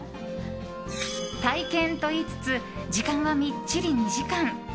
体験といいつつ時間はみっちり２時間。